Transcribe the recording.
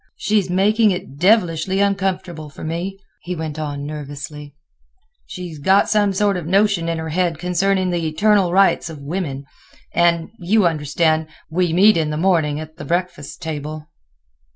She's making it devilishly uncomfortable for me," he went on nervously. "She's got some sort of notion in her head concerning the eternal rights of women; and—you understand—we meet in the morning at the breakfast table."